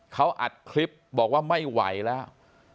เขาอัดคลิปบอกว่าไม่ไหวแล้ว